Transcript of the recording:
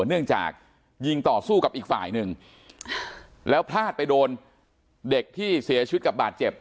เนื่องจากยิงต่อสู้กับอีกฝ่ายหนึ่งแล้วพลาดไปโดนเด็กที่เสียชีวิตกับบาดเจ็บ